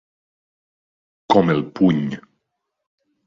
Com el puny.